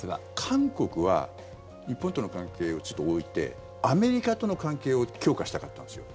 韓国は日本との関係をちょっと置いてアメリカとの関係を強化したかったんですよ。